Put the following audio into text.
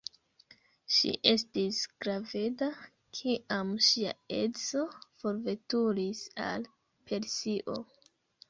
Ŝi estis graveda, kiam ŝia edzo forveturis al Persio.